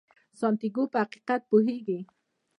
سانتیاګو په حقیقت پوهیږي.